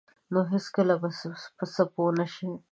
نو هیڅکله به په څه پوه نشئ.